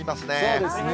そうですね。